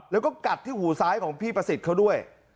แล้วก็กัดที่หูซ้ายของพี่ประสิทธิ์เขาด้วย